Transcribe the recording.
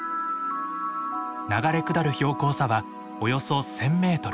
流れ下る標高差はおよそ１，０００メートル。